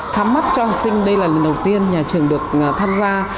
thắm mắt cho học sinh đây là lần đầu tiên nhà trường được tham gia